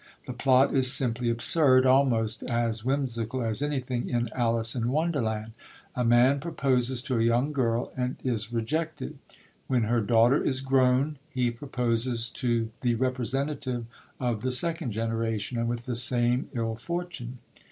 The plot is simply absurd, almost as whimsical as anything in Alice in Wonderland. A man proposes to a young girl and is rejected; when her daughter is grown, he proposes to the representative of the second generation, and with the same ill fortune.